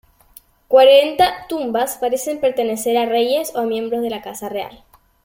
Cuarenta tumbas parecen pertenecer a reyes o miembros de la casa real.